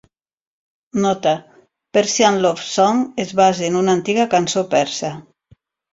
Nota: "Persian Love Song" es basa en una antiga cançó persa.